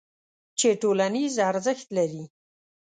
چې ټولنیز ارزښت لري.